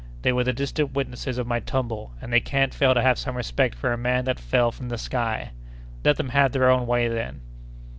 They were the distant witnesses of my tumble, and they can't fail to have some respect for a man that fell from the sky! Let them have their own way, then."